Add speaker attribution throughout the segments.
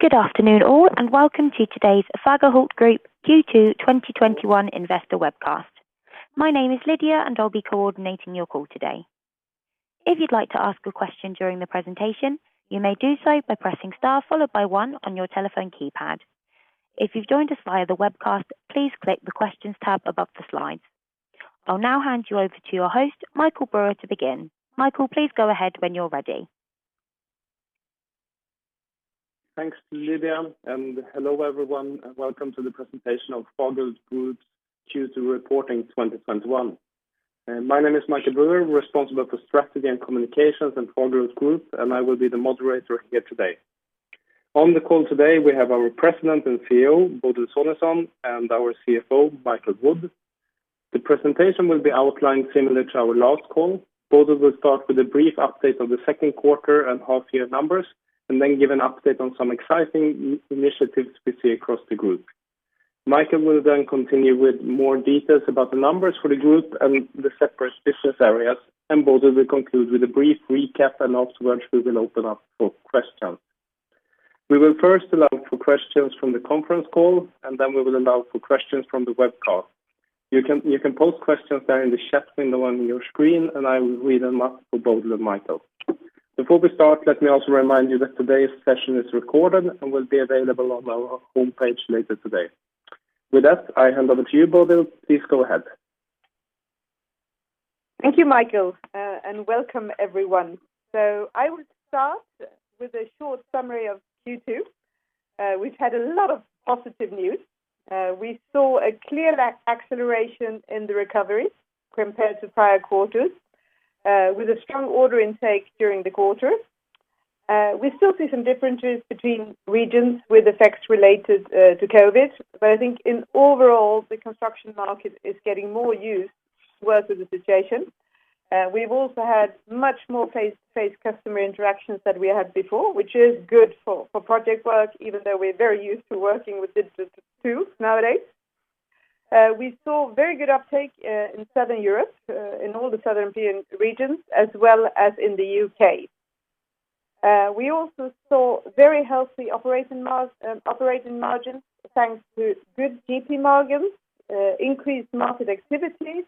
Speaker 1: Good afternoon all, welcome to today's Fagerhult Group Q2 2021 investor webcast. My name is Lydia, I'll be coordinating your call today. If you'd like to ask a question during the presentation, you may do so by pressing star followed by 1 on your telephone keypad. If you've joined us via the webcast, please click the Questions tab above the slides. I'll now hand you over to your host, Michael Brüer to begin. Michael, please go ahead when you're ready.
Speaker 2: Thanks, Lydia. Hello everyone. Welcome to the presentation of Fagerhult Group Q2 reporting 2021. My name is Michael Brüer, responsible for strategy and communications in Fagerhult Group. I will be the moderator here today. On the call today, we have our President and CEO, Bodil Sonesson, and our CFO, Michael Wood. The presentation will be outlined similar to our last call. Bodil will start with a brief update of the second quarter and half year numbers. Then give an update on some exciting initiatives we see across the group. Michael will then continue with more details about the numbers for the group and the separate business areas. Bodil will conclude with a brief recap. Afterwards, we will open up for questions. We will first allow for questions from the conference call. Then we will allow for questions from the webcast. You can post questions there in the chat window on your screen, and I will read them out for Bodil and Michael. Before we start, let me also remind you that today's session is recorded and will be available on our homepage later today. With that, I hand over to you, Bodil. Please go ahead.
Speaker 3: Thank you, Michael, and welcome everyone. I will start with a short summary of Q2. We've had a lot of positive news. We saw a clear acceleration in the recovery compared to prior quarters, with a strong order intake during the quarter. We still see some differences between regions with effects related to COVID, but I think in overall the construction market is getting more used to work with the situation. We've also had much more face-to-face customer interactions than we had before, which is good for project work, even though we are very used to working with digital too nowadays. We saw very good uptake in Southern Europe, in all the southern regions as well as in the U.K. We also saw very healthy operating margin thanks to good GP margins, increased market activities,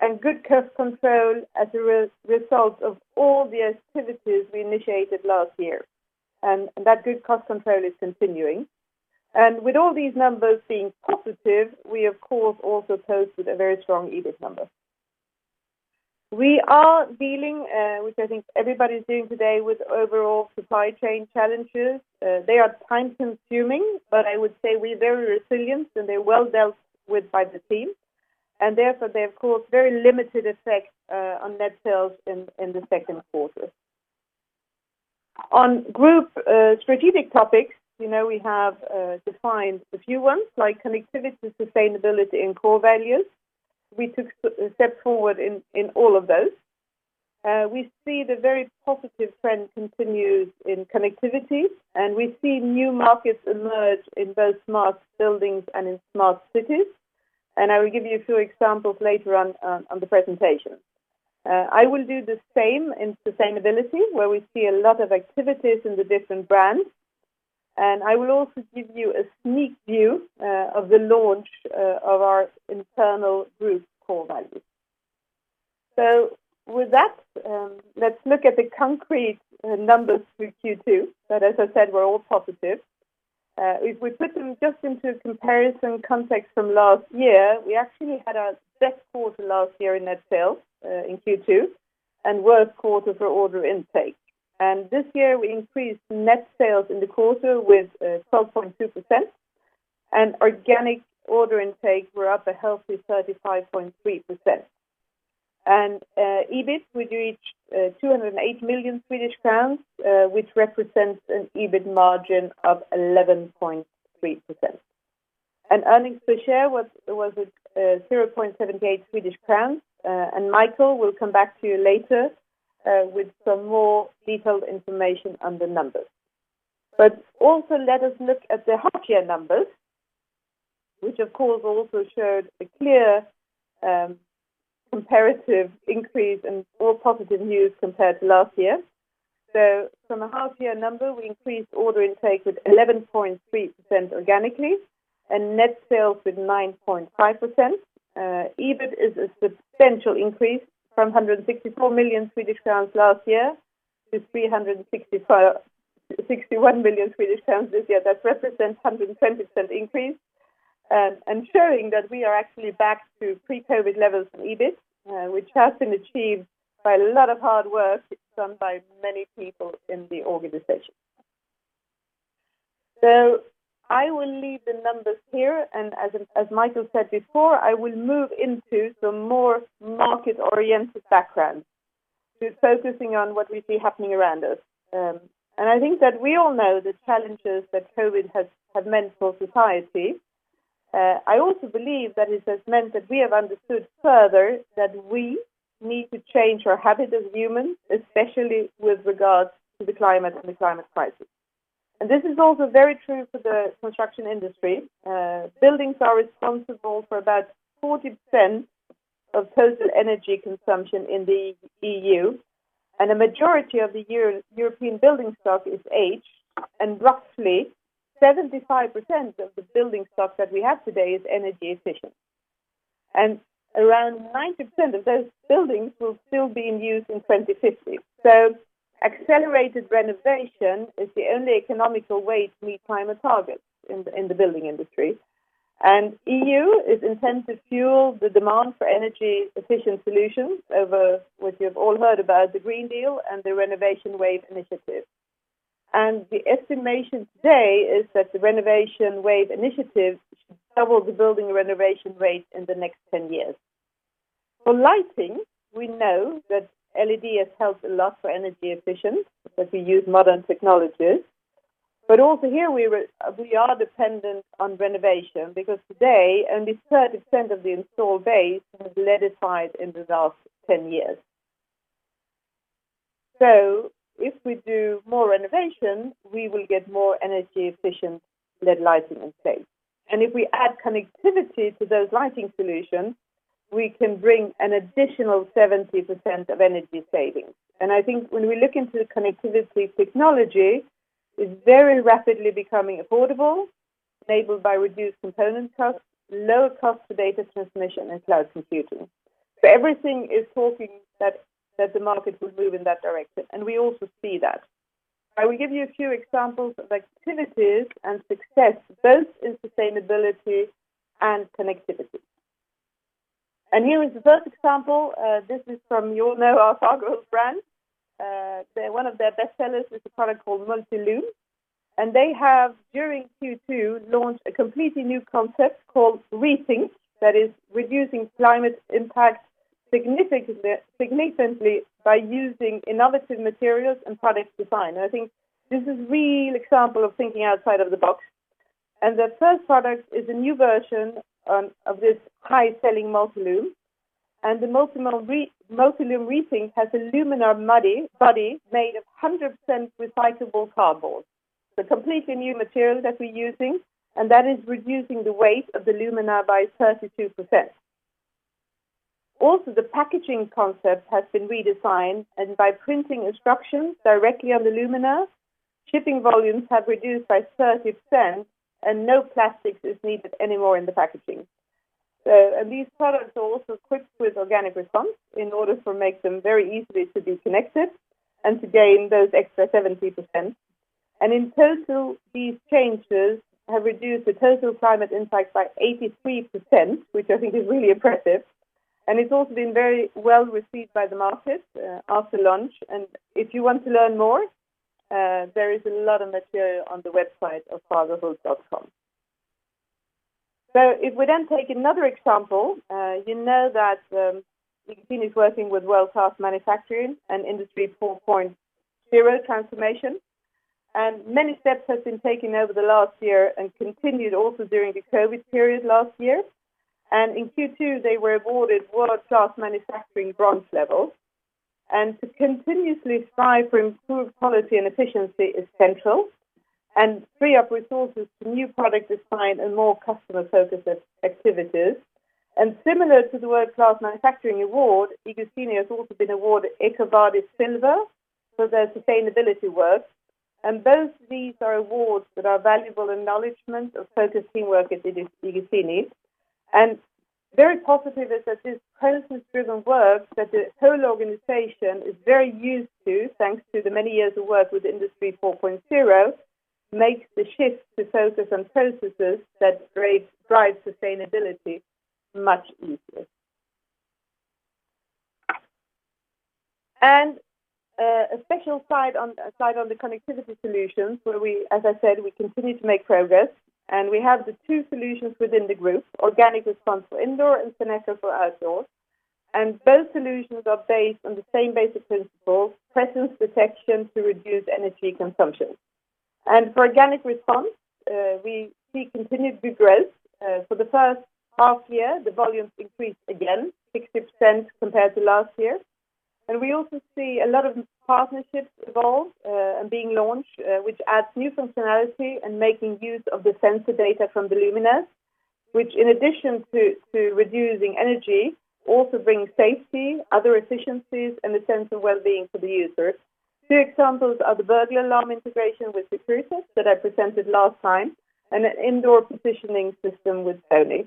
Speaker 3: and good cost control as a result of all the activities we initiated last year. That good cost control is continuing. With all these numbers being positive, we of course also posted a very strong EBIT number. We are dealing, which I think everybody is doing today, with overall supply chain challenges. They are time consuming, but I would say we are very resilient, and they are well dealt with by the team, and therefore they have caused very limited effects on net sales in the second quarter. On group strategic topics, we have defined a few ones like connectivity, sustainability, and core values. We took a step forward in all of those. We see the very positive trend continues in connectivity. We see new markets emerge in both smart buildings and in smart cities. I will give you a few examples later on the presentation. I will do the same in sustainability, where we see a lot of activities in the different brands. I will also give you a sneak view of the launch of our internal group core values. With that, let's look at the concrete numbers for Q2 that, as I said, were all positive. If we put them just into comparison context from last year, we actually had our best quarter last year in net sales, in Q2, and worst quarter for order intake. This year we increased net sales in the quarter with 12.2%, and organic order intake were up a healthy 35.3%. EBIT, we do 208 million Swedish crowns, which represents an EBIT margin of 11.3%. Earnings per share was at 0.78 Swedish crowns. Michael will come back to you later with some more detailed information on the numbers. Let us look at the half year numbers, which of course also showed a clear comparative increase in all positive news compared to last year. From a half year number, we increased order intake with 11.3% organically and net sales with 9.5%. EBIT is a substantial increase from 164 million Swedish crowns last year to 361 million Swedish crowns this year. That represents 120% increase and showing that we are actually back to pre-COVID-19 levels in EBIT, which has been achieved by a lot of hard work done by many people in the organization. I will leave the numbers here, and as Michael Wood said before, I will move into some more market-oriented background to focusing on what we see happening around us. I think that we all know the challenges that COVID has meant for society. I also believe that it has meant that we have understood further that we need to change our habits as humans, especially with regards to the climate and the climate crisis. This is also very true for the construction industry. Buildings are responsible for about 40% of total energy consumption in the EU, and a majority of the European building stock is aged, and roughly 75% of the building stock that we have today is energy efficient. Around 90% of those buildings will still be in use in 2050. Accelerated renovation is the only economical way to meet climate targets in the building industry. EU is intent to fuel the demand for energy efficient solutions over which you've all heard about, the Green Deal and the Renovation Wave Initiative. The estimation today is that the Renovation Wave Initiative should double the building renovation rate in the next 10 years. For lighting, we know that LED has helped a lot for energy efficient, because we use modern technologies. Also here we are dependent on renovation because today only 30% of the install base has been LED-ified in the last 10 years. If we do more renovation, we will get more energy efficient LED lighting in place. If we add connectivity to those lighting solutions, we can bring an additional 70% of energy savings. I think when we look into the connectivity technology, it's very rapidly becoming affordable, enabled by reduced component costs, lower cost for data transmission, and cloud computing. Everything is talking that the market will move in that direction, and we also see that. I will give you a few examples of activities and success, both in sustainability and connectivity. Here is the first example. This is from, you all know our Fagerhult brand. One of their best sellers is a product called Multilume, and they have, during Q2, launched a completely new concept called Re:Think, that is reducing climate impact significantly by using innovative materials and product design. I think this is real example of thinking outside of the box. The first product is a new version of this high-selling Multilume. The Multilume Re:Think has a luminaire body made of 100% recyclable cardboard. It's a completely new material that we're using, and that is reducing the weight of the luminaire by 32%. Also, the packaging concept has been redesigned, and by printing instructions directly on the luminaire, shipping volumes have reduced by 30% and no plastics is needed anymore in the packaging. These products are also equipped with Organic Response in order to make them very easy to be connected and to gain those extra 70%. In total, these changes have reduced the total climate impact by 83%, which I think is really impressive, and it's also been very well received by the market after launch. If you want to learn more, there is a lot of material on the website of fagerhult.com. If we then take another example, you know that the team is working with World Class Manufacturing and Industry 4.0 transformation. Many steps have been taken over the last year and continued also during the COVID-19 period last year. In Q2, they were awarded World Class Manufacturing bronze level. To continuously strive for improved quality and efficiency is central, and free up resources for new product design and more customer-focused activities. Similar to the World Class Manufacturing award, iGuzzini has also been awarded EcoVadis silver for their sustainability work. Both of these are awards that are valuable acknowledgment of focusing work at iGuzzini. Very positive is that this process-driven work that the whole organization is very used to, thanks to the many years of work with Industry 4.0, makes the shift to focus on processes that drive sustainability much easier. A special side on the connectivity solutions where we, as I said, we continue to make progress and we have the two solutions within the group, Organic Response for indoor and Citygrid for outdoors. Both solutions are based on the same basic principles, presence detection to reduce energy consumption. For Organic Response, we see continued good growth. For the first half year, the volumes increased again, 60% compared to last year. We also see a lot of partnerships evolve and being launched, which adds new functionality and making use of the sensor data from the luminaire, which in addition to reducing energy, also brings safety, other efficiencies, and a sense of wellbeing for the user. Two examples are the burglar alarm integration with Securitas that I presented last time, and an indoor positioning system with Sony.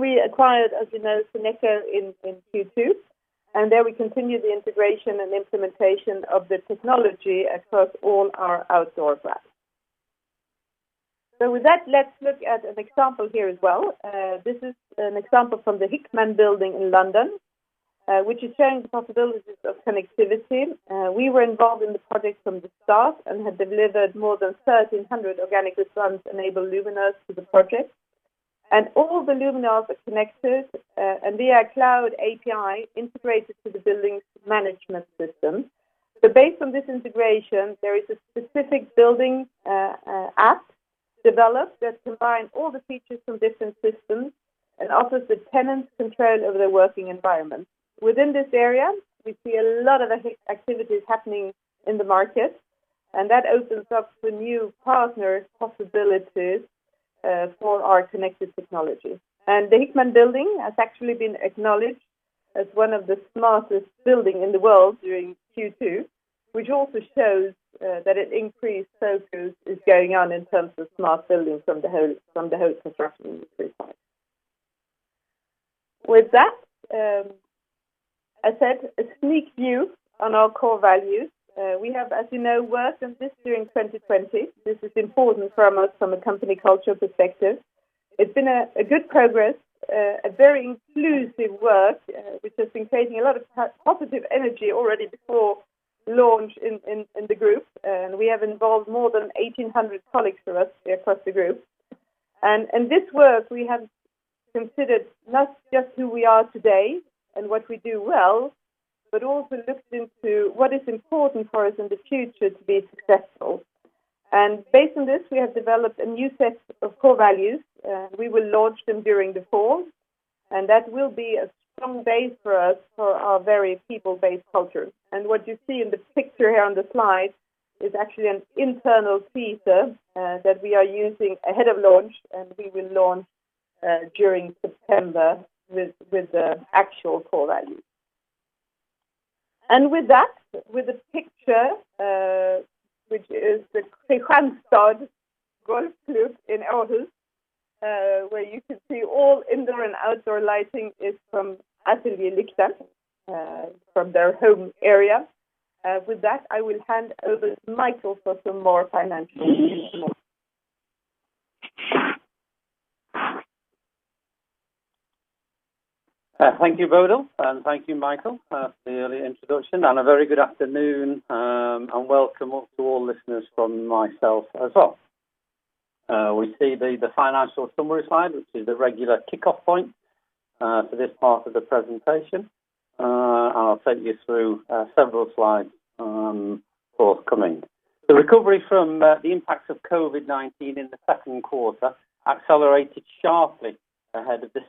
Speaker 3: We acquired, as you know, Citygrid in Q2, and there we continue the integration and implementation of the technology across all our outdoor brands. With that, let's look at an example here as well. This is an example from the Hickman Building in London, which is showing the possibilities of connectivity. We were involved in the project from the start and have delivered more than 1,300 Organic Response-enabled luminaires to the project. All the luminaires are connected and via cloud API integrated to the building's management system. Based on this integration, there is a specific building app developed that combine all the features from different systems and offers the tenants control over their working environment. Within this area, we see a lot of activities happening in the market, and that opens up the new partner possibilities for our connected technology. The Hickman Building has actually been acknowledged as one of the smartest building in the world during Q2, which also shows that an increased focus is going on in terms of smart buildings from the whole group perspective side. With that, I said a sneak view on our core values. We have, as you know, worked on this during 2020. This is important for us from a company culture perspective. It's been a good progress, a very inclusive work, which has been creating a lot of positive energy already before launch in the group. We have involved more than 1,800 colleagues with us across the group. In this work, we have considered not just who we are today and what we do well, but also looked into what is important for us in the future to be successful. Based on this, we have developed a new set of core values, we will launch them during the fall, that will be a strong base for us for our very people-based culture. What you see in the picture here on the slide is actually an internal teaser that we are using ahead of launch, we will launch during September with the actual core values. With that, with the picture, which is the Kristianstad Golf Club in Åhus, where you can see all indoor and outdoor lighting is from ateljé Lyktan, from their home area. With that, I will hand over to Michael for some more financial information.
Speaker 4: Thank you, Bodil, and thank you, Michael, for the early introduction and a very good afternoon, and welcome to all listeners from myself as well. We see the financial summary slide, which is the regular kickoff point for this part of the presentation. I will take you through several slides forthcoming. The recovery from the impacts of COVID-19 in the second quarter accelerated sharply ahead of the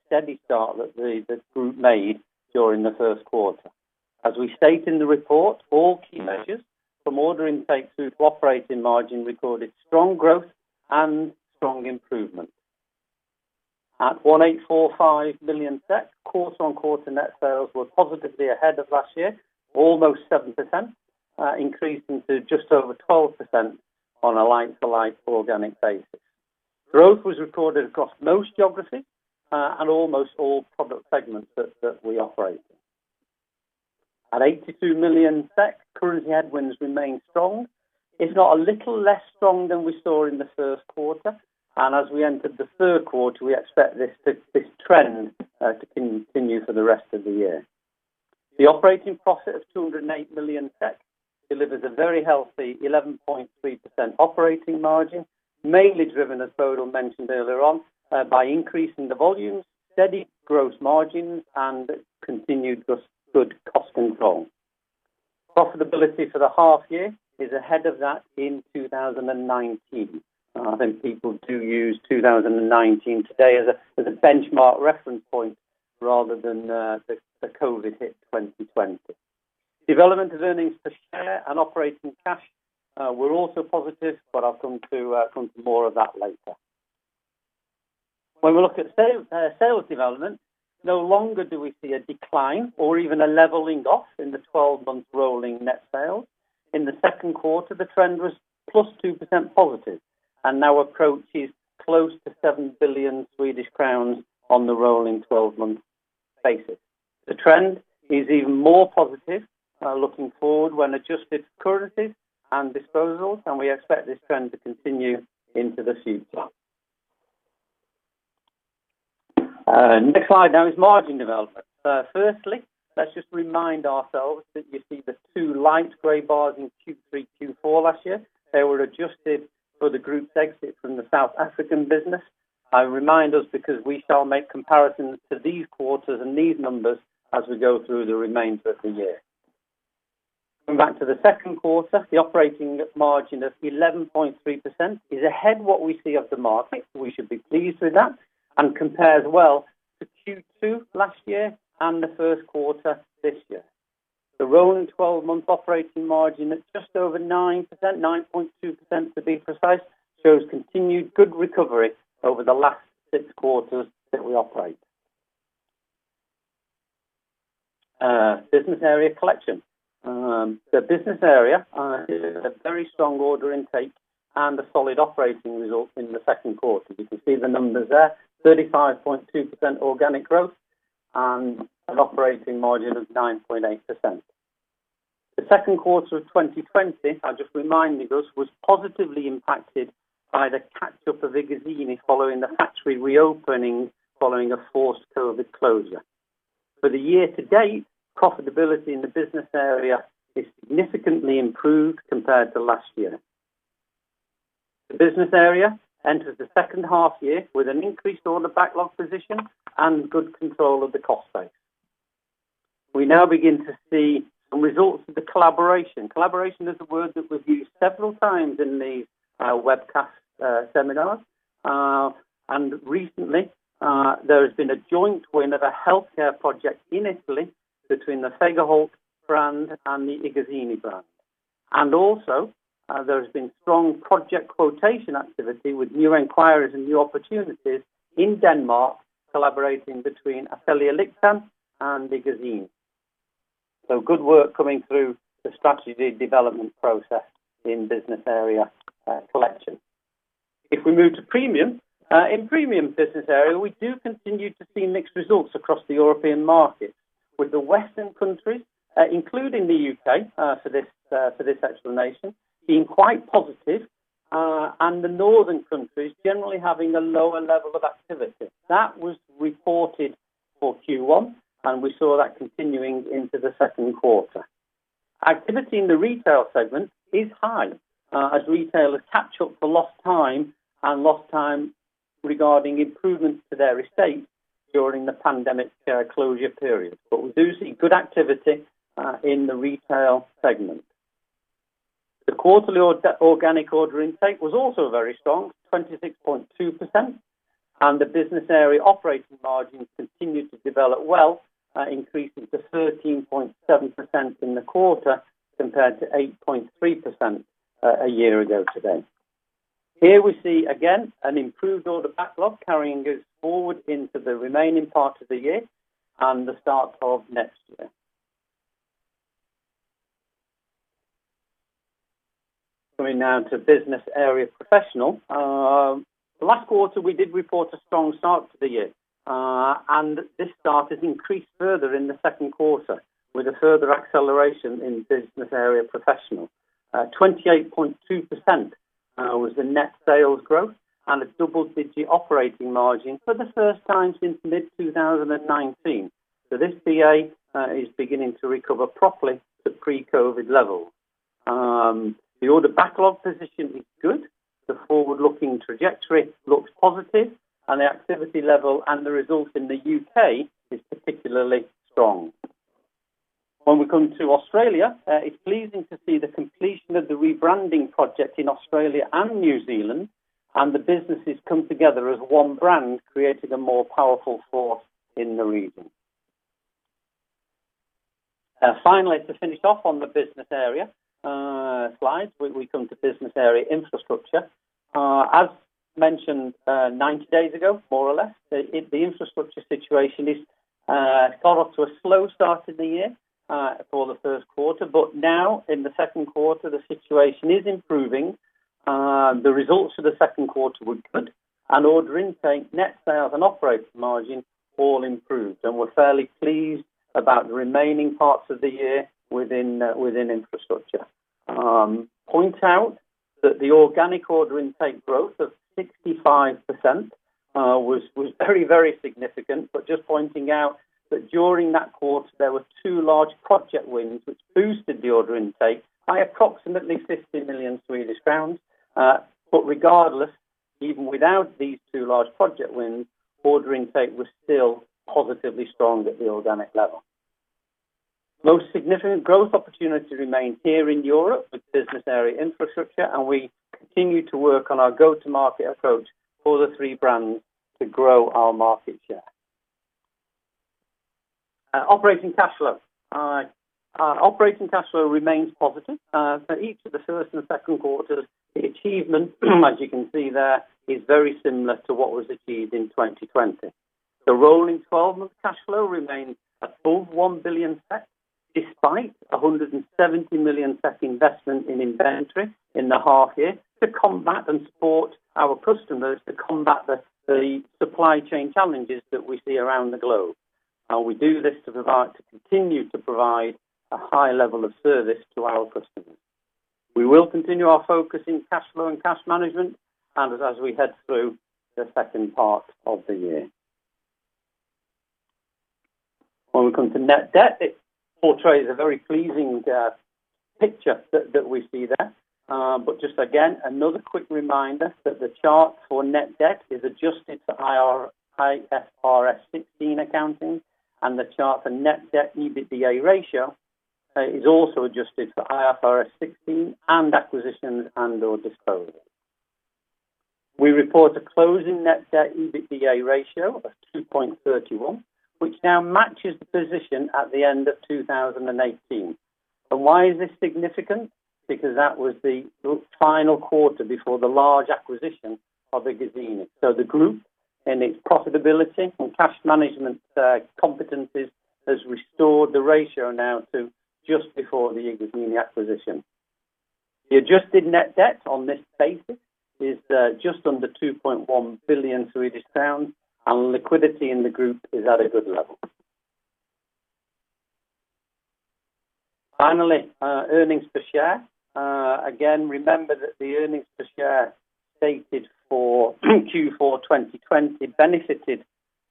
Speaker 4: steady start that the group made during the first quarter. As we state in the report, all key measures from order intake through to operating margin recorded strong growth and strong improvement. At 1,845 million, quarter-on-quarter net sales were positively ahead of last year, almost 7%, increasing to just over 12% on a like-to-like organic basis. Growth was recorded across most geographies and almost all product segments that we operate in. At 82 million SEK, currency headwinds remain strong. It's not a little less strong than we saw in the first quarter, and as we enter the third quarter, we expect this trend to continue for the rest of the year. The operating profit of 208 million delivers a very healthy 11.3% operating margin, mainly driven, as Bodil mentioned earlier on, by increasing the volumes, steady gross margins, and continued good cost control. Profitability for the half year is ahead of that in 2019. People do use 2019 today as a benchmark reference point rather than the COVID-19 hit 2020. Development of earnings per share and operating cash were also positive, but I'll come to more of that later. When we look at sales development, no longer do we see a decline or even a leveling off in the 12-month rolling net sales. In the second quarter, the trend was +2% positive and now approaches close to 7 billion Swedish crowns on the rolling 12-month basis. The trend is even more positive looking forward when adjusted for currencies and disposals. We expect this trend to continue into the future. Next slide now is margin development. Firstly, let's just remind ourselves that you see the two light gray bars in Q3, Q4 last year. They were adjusted for the group's exit from the South African business. I remind us because we shall make comparisons to these quarters and these numbers as we go through the remainder of the year. Coming back to the second quarter, the operating margin of 11.3% is ahead what we see of the market, so we should be pleased with that, and compares well to Q2 last year and the first quarter this year. The rolling 12-month operating margin at just over 9%, 9.2% to be precise, shows continued good recovery over the last six quarters that we operate. Business Area Collection. The Business Area is a very strong order intake and a solid operating result in the second quarter. You can see the numbers there, 35.2% organic growth and an operating margin of 9.8%. The second quarter of 2020, I just remind you, this was positively impacted by the catch-up of iGuzzini following the factory reopening following a forced COVID-19 closure. For the year to date, profitability in the Business Area is significantly improved compared to last year. The Business Area enters the second half year with an increased order backlog position and good control of the cost base. We now begin to see some results of the collaboration. Collaboration is a word that we've used several times in these webcast seminars. Recently, there has been a joint win of a healthcare project in Italy between the Fagerhult brand and the iGuzzini brand. Also there has been strong project quotation activity with new inquiries and new opportunities in Denmark collaborating between ateljé Lyktan and iGuzzini. Good work coming through the strategy development process in Business Area Collection. If we move to Premium. In Premium Business Area, we do continue to see mixed results across the European market with the Western countries, including the U.K. for this explanation, being quite positive, and the northern countries generally having a lower level of activity. That was reported for Q1, and we saw that continuing into the second quarter. Activity in the retail segment is high as retailers catch up for lost time and lost time regarding improvements to their estate during the pandemic closure period. We do see good activity in the retail segment. The quarterly organic order intake was also very strong, 26.2%, and the business area operating margins continued to develop well, increasing to 13.7% in the quarter compared to 8.3% a year ago today. Here we see again an improved order backlog carrying us forward into the remaining part of the year and the start of next year. Coming now to Business Area Professional. The last quarter we did report a strong start to the year, and this start has increased further in the second quarter with a further acceleration in Business Area Professional. 28.2% was the net sales growth and a double-digit operating margin for the first time since mid-2019. This BA is beginning to recover properly to pre-COVID-19 levels. The order backlog position is good. The forward-looking trajectory looks positive, and the activity level and the result in the U.K. Is particularly strong. When we come to Australia, it's pleasing to see the completion of the rebranding project in Australia and New Zealand and the businesses come together as one brand, creating a more powerful force in the region. Finally, to finish off on the business area slides, we come to Business Area Infrastructure. As mentioned, 90 days ago, more or less, the infrastructure situation got off to a slow start in the year for the first quarter, but now in the second quarter, the situation is improving. The results for the second quarter were good and order intake, net sales, and operating margin all improved. We're fairly pleased about the remaining parts of the year within Infrastructure. Point out that the organic order intake growth of 65% was very significant, just pointing out that during that quarter, there were two large project wins which boosted the order intake by approximately 50 million Swedish crowns. Regardless, even without these two large project wins, order intake was still positively strong at the organic level. Most significant growth opportunities remain here in Europe with business area infrastructure, and we continue to work on our go-to-market approach for the three brands to grow our market share. Operating cash flow. Operating cash flow remains positive for each of the first and second quarters. The achievement as you can see there, is very similar to what was achieved in 2020. The rolling 12-month cash flow remains above 1 billion, despite a 170 million investment in inventory in the half year to combat and support our customers to combat the supply chain challenges that we see around the globe. We do this to continue to provide a high level of service to our customers. We will continue our focus in cash flow and cash management and as we head through the second part of the year. When we come to net debt, it portrays a very pleasing picture that we see there. Just again, another quick reminder that the chart for net debt is adjusted for IFRS 16 accounting and the chart for net debt EBITDA ratio is also adjusted for IFRS 16 and acquisitions and/or disposals. We report a closing net debt EBITDA ratio of 2.31, which now matches the position at the end of 2018. Why is this significant? That was the final quarter before the large acquisition of iGuzzini. The group and its profitability and cash management competencies has restored the ratio now to just before the iGuzzini acquisition. The adjusted net debt on this basis is just under SEK 2.1 billion and liquidity in the group is at a good level. Finally, earnings per share. Again, remember that the earnings per share stated for Q4 2020 benefited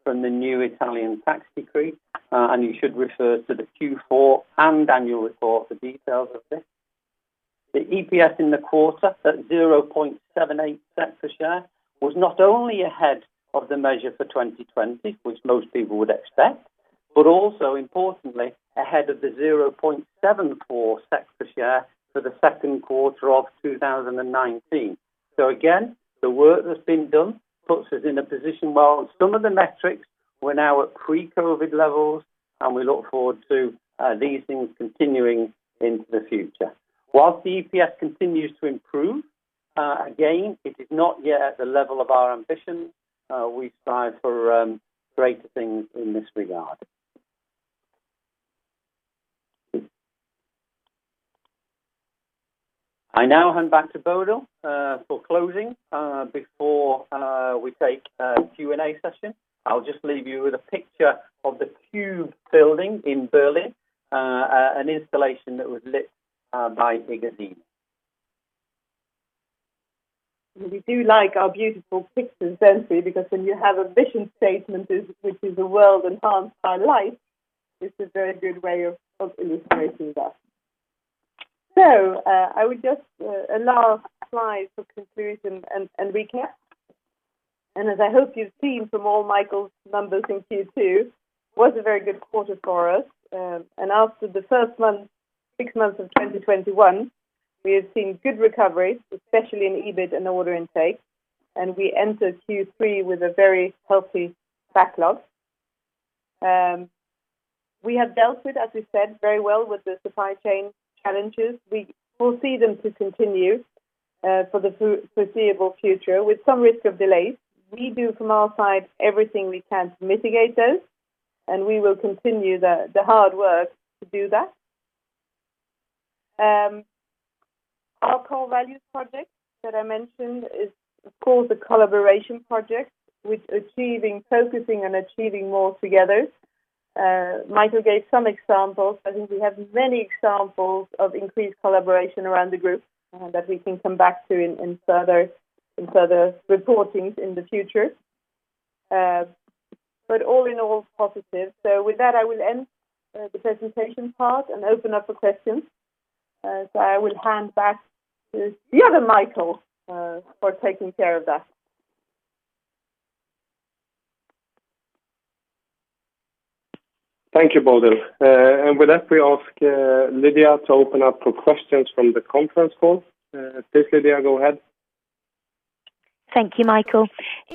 Speaker 4: from the new Italian tax decree, and you should refer to the Q4 and annual report for details of this. The EPS in the quarter at 0.78 per share was not only ahead of the measure for 2020, which most people would expect, but also importantly, ahead of the 0.74 per share for the second quarter of 2019. Again, the work that's been done puts us in a position where on some of the metrics, we're now at pre-COVID levels. And we look forward to these things continuing into the future. Whilst the EPS continues to improve, again, it is not yet at the level of our ambition. We strive for greater things in this regard. I now hand back to Bodil for closing before we take a Q&A session. I'll just leave you with a picture of the Cube building in Berlin, an installation that was lit by iGuzzini.
Speaker 3: We do like our beautiful pictures, don't we? When you have a vision statement, which is a world enhanced by light, it's a very good way of illustrating that. I would just allow a slide for conclusion and recap. As I hope you've seen from all Michael's numbers in Q2, was a very good quarter for us. After the first six months of 2021, we have seen good recovery, especially in EBIT and order intake, and we entered Q3 with a very healthy backlog. We have dealt with, as we said, very well with the supply chain challenges. We foresee them to continue for the foreseeable future with some risk of delays. We do from our side everything we can to mitigate those, and we will continue the hard work to do that. Our core values project that I mentioned is of course a collaboration project with achieving, focusing and achieving more together. Michael gave some examples. I think we have many examples of increased collaboration around the group that we can come back to in further reportings in the future. All in all positive. With that, I will end the presentation part and open up for questions. I will hand back to the other Michael for taking care of that.
Speaker 2: Thank you, Bodil. With that, we ask Lydia to open up for questions from the conference call. Please, Lydia, go ahead.
Speaker 1: Thank you, Michael.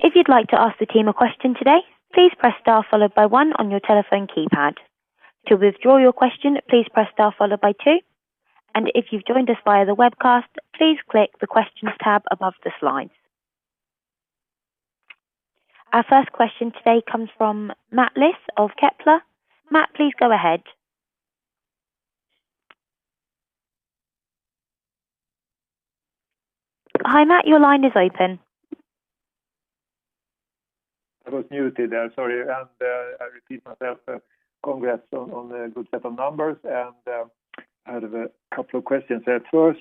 Speaker 1: Our first question today comes from Mats Liss of Kepler. Mats, please go ahead. Hi, Mats. Your line is open.
Speaker 5: I was muted there, sorry. I repeat myself, congrats on the good set of numbers. I have two questions there. 1st,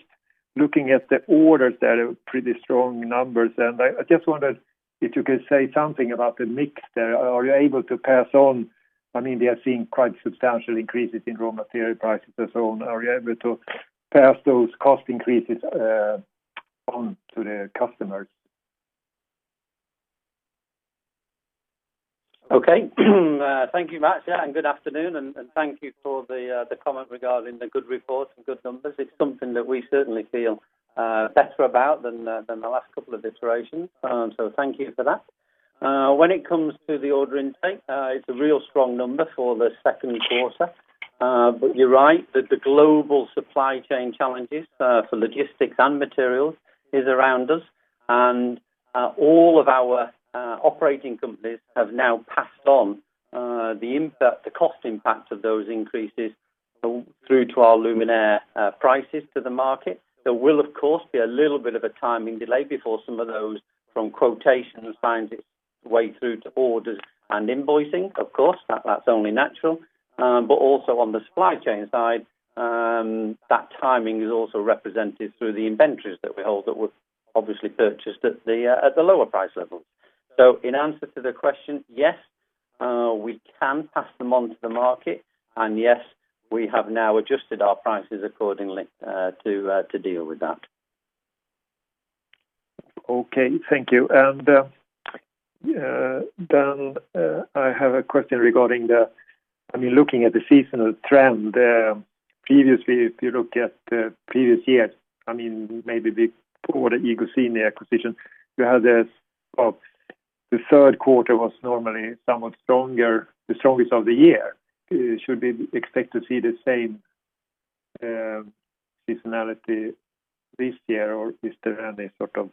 Speaker 5: looking at the orders, they are pretty strong numbers. I just wondered if you could say something about the mix there. Are you able to pass on, I mean, we are seeing quite substantial increases in raw material prices and so on. Are you able to pass those cost increases on to the customers?
Speaker 4: Okay. Thank you, Mats. Good afternoon, and thank you for the comment regarding the good report and good numbers. It's something that we certainly feel better about than the last couple of iterations. Thank you for that. You're right that the global supply chain challenges for logistics and materials is around us, and all of our operating companies have now passed on the cost impact of those increases through to our luminaire prices to the market. There will of course be a little bit of a timing delay before some of those from quotations finds its way through to orders and invoicing, of course, that's only natural. Also on the supply chain side, that timing is also represented through the inventories that we hold that were obviously purchased at the lower price levels. In answer to the question, yes, we can pass them on to the market and yes, we have now adjusted our prices accordingly to deal with that.
Speaker 5: Okay. Thank you. Then I have a question regarding the-- I mean, looking at the seasonal trend, previously, if you look at the previous years, maybe before the iGuzzini acquisition, you had this of the third quarter was normally somewhat stronger, the strongest of the year. Should we expect to see the same seasonality this year, or is there any sort of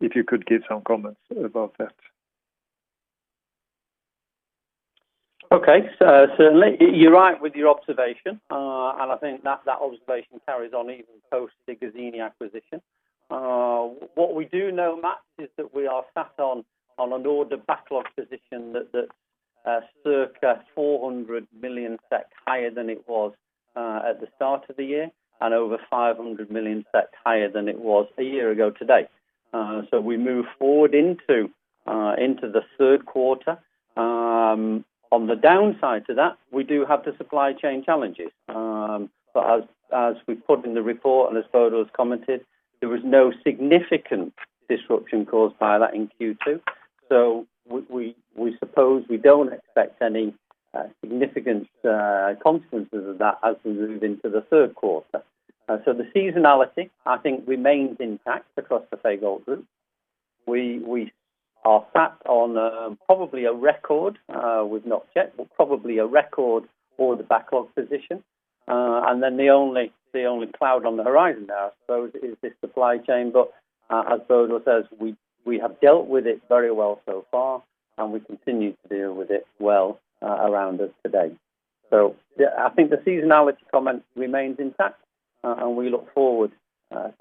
Speaker 5: If you could give some comments about that?
Speaker 4: Okay. Certainly. You're right with your observation, and I think that observation carries on even post the iGuzzini acquisition. What we do know, Mats, is that we are sat on an order backlog position that circa 400 million SEK higher than it was at the start of the year and over 500 million SEK higher than it was a year ago today. We move forward into the third quarter. On the downside to that, we do have the supply chain challenges. As we put in the report and as Bodil has commented, there was no significant disruption caused by that in Q2. We suppose we don't expect any significant consequences of that as we move into the third quarter. The seasonality I think remains intact across the Fagerhult Group. We are sat on probably a record order backlog position. The only cloud on the horizon now, I suppose, is this supply chain. As Bodil says, we have dealt with it very well so far, and we continue to deal with it well around us today. I think the seasonality comment remains intact, and we look forward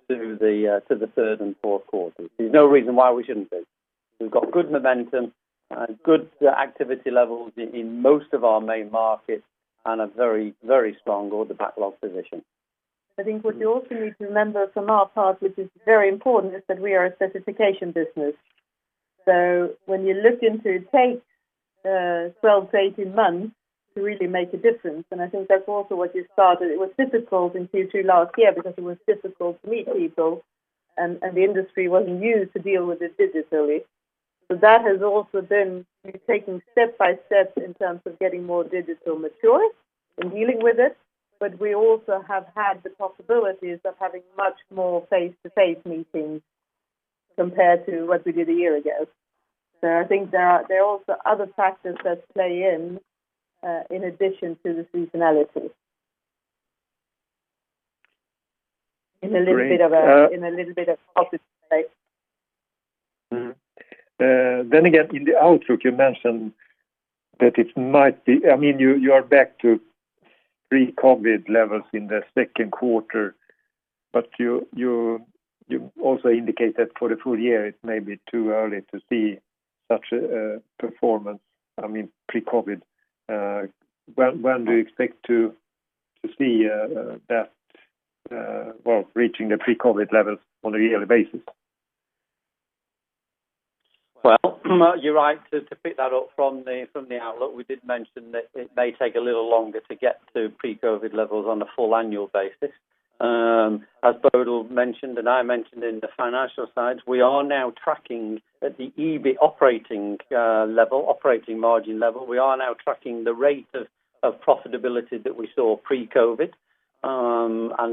Speaker 4: to the third and fourth quarters. There's no reason why we shouldn't be. We've got good momentum and good activity levels in most of our main markets and a very strong order backlog position.
Speaker 3: I think what you also need to remember from our part, which is very important, is that we are a certification business. When you look into it, takes 12 -18 months to really make a difference. I think that's also what you saw, that it was difficult in Q2 last year because it was difficult to meet people, and the industry wasn't used to deal with it digitally. That has also been taking step by step in terms of getting more digital mature in dealing with it. We also have had the possibilities of having much more face-to-face meetings compared to what we did a year ago. I think there are also other factors that play in addition to the seasonality. In a little bit of opposite way.
Speaker 5: Again, in the outlook, you mentioned that you are back to pre-COVID levels in the second quarter, but you also indicate that for the full-year, it may be too early to see such a performance. I mean, pre-COVID. When do you expect to see that, well, reaching the pre-COVID levels on a yearly basis?
Speaker 4: You're right. To pick that up from the outlook, we did mention that it may take a little longer to get to pre-COVID-19 levels on a full annual basis. As Bodil mentioned and I mentioned in the financial side, we are now tracking at the EBIT operating margin level. We are now tracking the rate of profitability that we saw pre-COVID-19.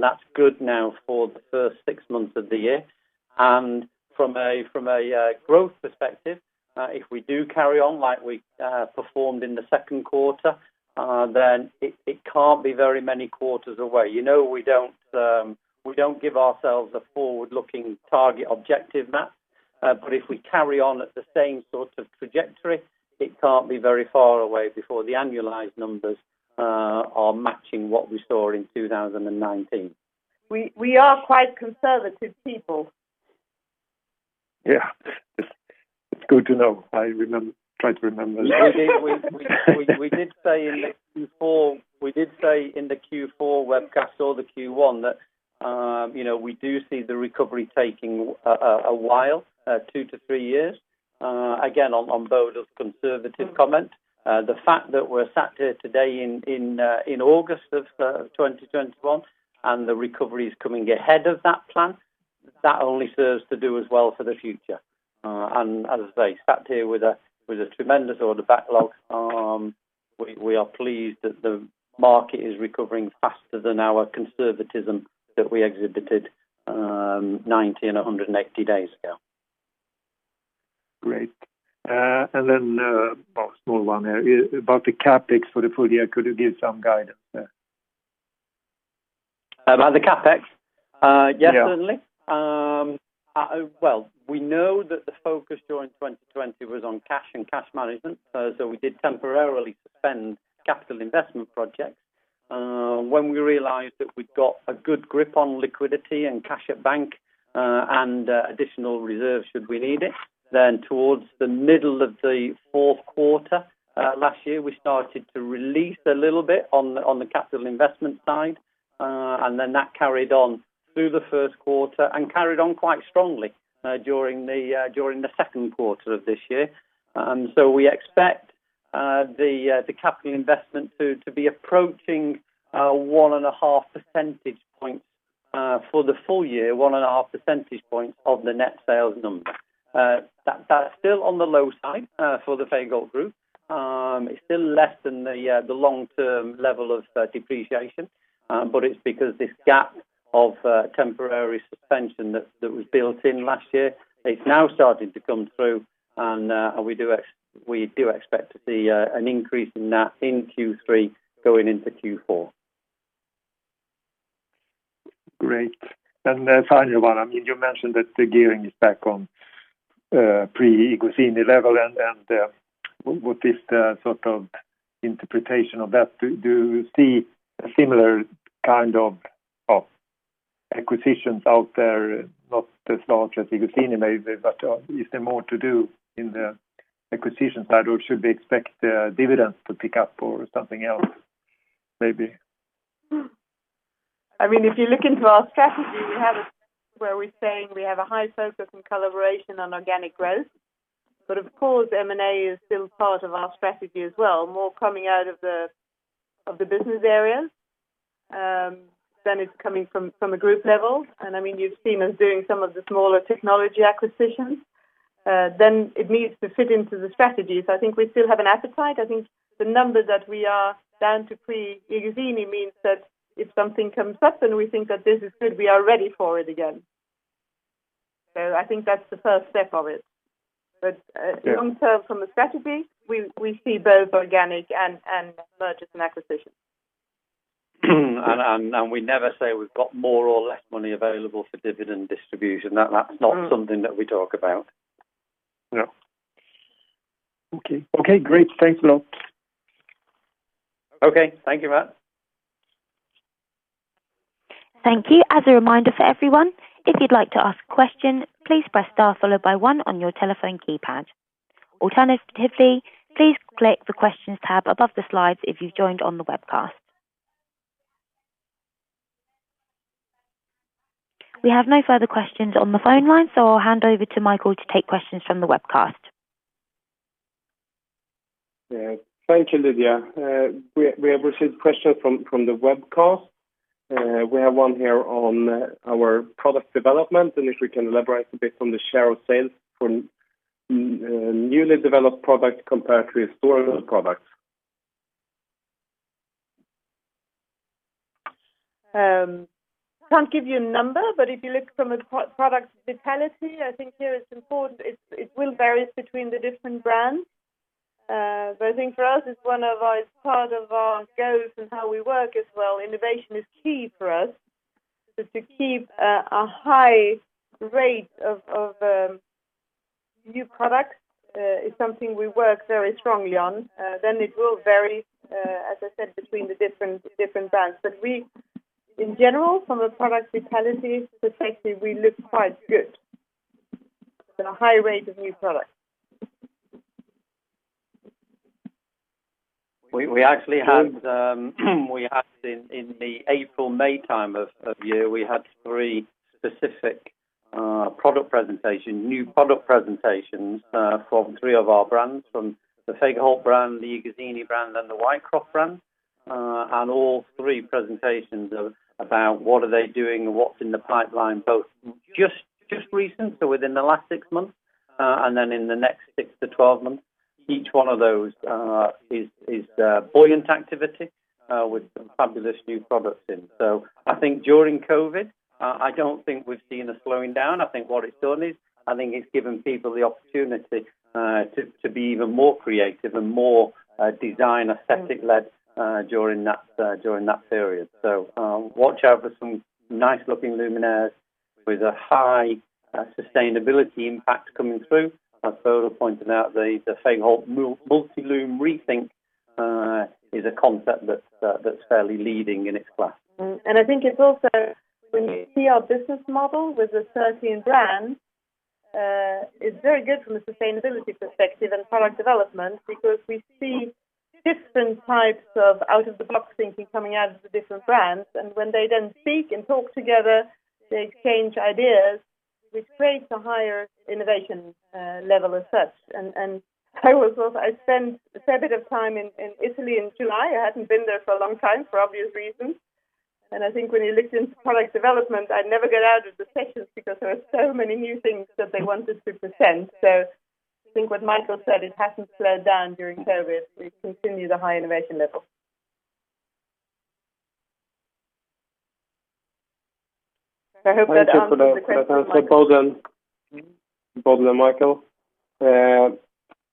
Speaker 4: That's good now for the first six months of the year. From a growth perspective, if we do carry on like we performed in the second quarter, then it can't be very many quarters away. You know we don't give ourselves a forward-looking target objective map. If we carry on at the same sort of trajectory, it can't be very far away before the annualized numbers are matching what we saw in 2019.
Speaker 3: We are quite conservative people.
Speaker 5: Yeah. It's good to know. I try to remember that.
Speaker 4: We did say in the Q4 webcast or the Q1 that we do see the recovery taking a while, two-three years. Again, on Bodil's conservative comment. The fact that we're sat here today in August of 2021 and the recovery is coming ahead of that plan, that only serves to do us well for the future. As I say, sat here with a tremendous order backlog. We are pleased that the market is recovering faster than our conservatism that we exhibited 90 and 180 days ago.
Speaker 5: Great. Small one here. About the CapEx for the full-year, could you give some guidance there?
Speaker 4: About the CapEx?
Speaker 5: Yeah.
Speaker 4: Yes, certainly. Well, we know that the focus during 2020 was on cash and cash management. We did temporarily suspend capital investment projects. When we realized that we'd got a good grip on liquidity and cash at bank, and additional reserves should we need it, then towards the middle of the fourth quarter last year, we started to release a little bit on the capital investment side. That carried on through the first quarter and carried on quite strongly during the second quarter of this year. We expect the capital investment to be approaching 1.5 percentage points for the full-year, 1.5 percentage points of the net sales number. That's still on the low side for the Fagerhult Group. It's still less than the long-term level of depreciation, but it's because this gap of temporary suspension that was built in last year, it's now starting to come through, and we do expect to see an increase in that in Q3 going into Q4.
Speaker 5: Great. Final one. You mentioned that the gearing is back on pre-iGuzzini level and what is the interpretation of that? Do you see a similar kind of acquisitions out there? Not as large as iGuzzini maybe, but is there more to do in the acquisition side, or should we expect dividends to pick up or something else maybe?
Speaker 3: If you look into our strategy, we have a strategy where we're saying we have a high focus and collaboration on organic growth. Of course, M&A is still part of our strategy as well, more coming out of the business areas than is coming from a group level. You've seen us doing some of the smaller technology acquisitions. It needs to fit into the strategy. I think we still have an appetite. I think the number that we are down to pre iGuzzini means that if something comes up and we think that this is good, we are ready for it again. I think that's the first step of it.
Speaker 4: Yeah.
Speaker 3: Long-term from a strategy, we see both organic and mergers and acquisitions.
Speaker 4: We never say we've got more or less money available for dividend distribution. That's not something that we talk about.
Speaker 5: No. Okay, great. Thanks a lot.
Speaker 4: Okay. Thank you, Mats.
Speaker 1: Thank you. As a reminder for everyone, if you'd like to ask a question, please press star followed by one on your telephone keypad. Alternatively, please click the questions tab above the slides if you've joined on the webcast. We have no further questions on the phone line, so I'll hand over to Michael to take questions from the webcast.
Speaker 2: Yes. Thank you, Lydia. We have received questions from the webcast. We have one here on our product development, and if we can elaborate a bit from the share of sales from newly developed product compared to historical products.
Speaker 3: Can't give you a number, but if you look from a product vitality, I think here it's important, it will vary between the different brands. I think for us, it's part of our goals and how we work as well. Innovation is key for us, is to keep a high rate of new products. It's something we work very strongly on. It will vary, as I said, between the different brands. We, in general, from a product vitality perspective, we look quite good with a high rate of new products.
Speaker 4: We actually had in the April/May time of the year, we had three specific product presentations, new product presentations, from three of our brands, from the Fagerhult brand, the iGuzzini brand, and the Whitecroft brand. All three presentations are about what are they doing and what's in the pipeline, both just recent, so within the last six months, and then in the next six-12 months. Each one of those is buoyant activity with some fabulous new products in. I think during COVID, I don't think we've seen a slowing down. I think what it's done is, I think it's given people the opportunity to be even more creative and more design, aesthetic led during that period. Watch out for some nice looking luminaires with a high sustainability impact coming through. As Bodil pointed out, the Fagerhult Multilume Re:Think is a concept that's fairly leading in its class.
Speaker 3: I think it's also, when you see our business model with the 13 brands, it's very good from a sustainability perspective and product development because we see different types of out-of-the-box thinking coming out of the different brands. When they then speak and talk together, they exchange ideas, we create a higher innovation level as such. I spent a fair bit of time in Italy in July. I hadn't been there for a long time, for obvious reasons. I think when you looked into product development, I'd never get out of the sessions because there were so many new things that they wanted to present. I think what Michael said, it hasn't slowed down during COVID. We continue the high innovation level. I hope that answers the question.
Speaker 2: Thank you for that answer, Bodil and Michael.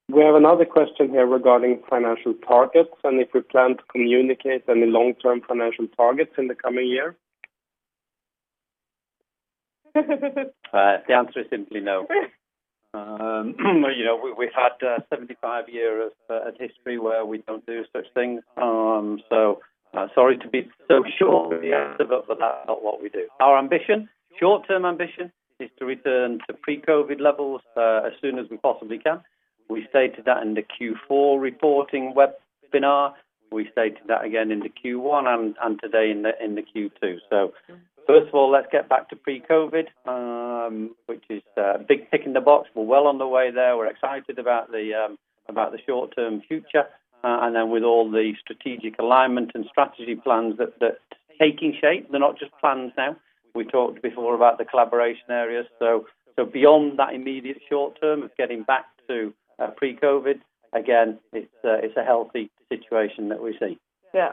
Speaker 2: We have another question here regarding financial targets and if we plan to communicate any long-term financial targets in the coming year.
Speaker 4: The answer is simply no. We had 75 year of history where we don't do such things. Sorry to be so short with the answer, but that's not what we do. Our ambition, short-term ambition, is to return to pre-COVID levels, as soon as we possibly can. We stated that in the Q4 reporting webinar. We stated that again in the Q1 and today in the Q2. First of all, let's get back to pre-COVID, which is a big tick in the box. We're well on the way there. We're excited about the short-term future. Then with all the strategic alignment and strategy plans that are taking shape, they're not just plans now. We talked before about the collaboration areas. Beyond that immediate short-term of getting back to pre-COVID, again, it's a healthy situation that we see.
Speaker 3: Yeah,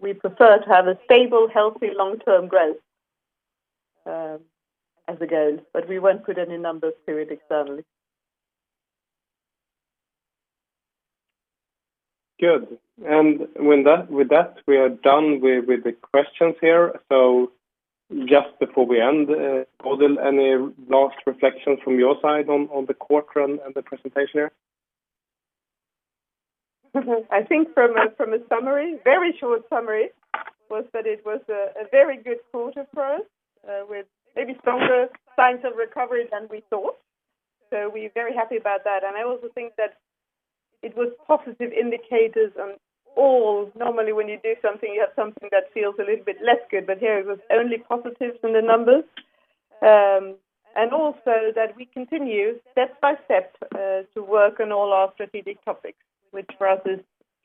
Speaker 3: we prefer to have a stable, healthy, long-term growth as a goal, but we won't put any numbers to it externally.
Speaker 2: Good. With that, we are done with the questions here. Just before we end, Bodil, any last reflections from your side on the quarter and the presentation here?
Speaker 3: I think from a summary, very short summary, was that it was a very good quarter for us, with maybe stronger signs of recovery than we thought. We're very happy about that. I also think that it was positive indicators on all. Normally, when you do something, you have something that feels a little bit less good, but here it was only positive from the numbers. Also that we continue step by step to work on all our strategic topics, which for us is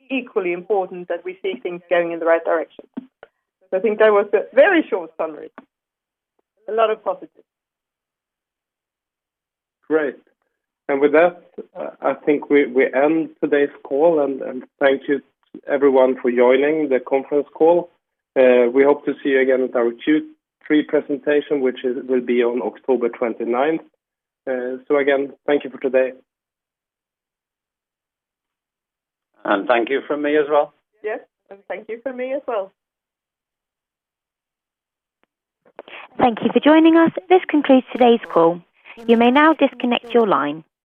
Speaker 3: equally important that we see things going in the right direction. I think that was a very short summary. A lot of positives.
Speaker 2: Great. With that, I think we end today's call. Thank you everyone for joining the conference call. We hope to see you again with our Q3 presentation, which will be on October 29th. Again, thank you for today.
Speaker 4: Thank you from me as well.
Speaker 3: Yes, thank you from me as well.
Speaker 1: Thank you for joining us. This concludes today's call. You may now disconnect your line.